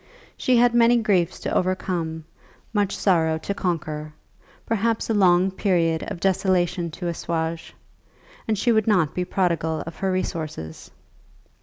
She had many griefs to overcome, much sorrow to conquer, perhaps a long period of desolation to assuage, and she would not be prodigal of her resources.